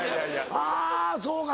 あぁそうか。